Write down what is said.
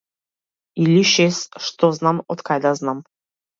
Или шес, шо знам, откај да знам.